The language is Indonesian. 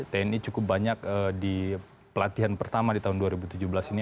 tni cukup banyak di pelatihan pertama di tahun dua ribu tujuh belas ini